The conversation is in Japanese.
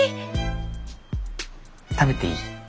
食べていい？